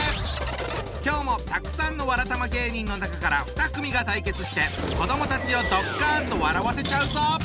今日もたくさんのわらたま芸人の中から２組が対決して子どもたちをドッカンと笑わせちゃうぞ！